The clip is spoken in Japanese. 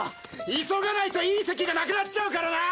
急がないといい席がなくなっちゃうからな！